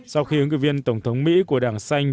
sau khi ứng cử viên tổng thống mỹ của đảng xanh